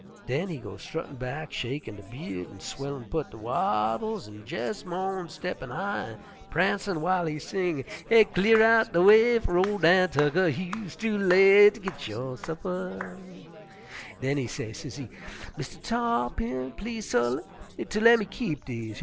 "Den he go struttin' back, shakin' de by'ud an' swellin' put de wattles an' jes' mo'n steppin' high an' prancin' w'ile he sing: 'Cle'r outen de way fer ol' Dan Tucker, You'se too late ter git yo' supper.' "Den he say, sezee, 'Mistah Tarr'pin, please, suh, ter lemme keep dese yer?